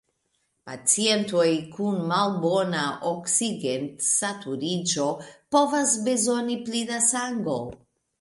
Pacientoj kun malbona oksigensaturiĝo povas bezoni pli da sango.